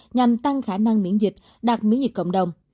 nhằm tăng khả năng miễn dịch đạt miễn dịch cộng đồng